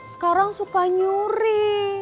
sekarang suka nyuri